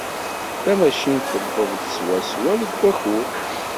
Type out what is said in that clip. Tamacint tuweḍ-d swaswa deg wakud.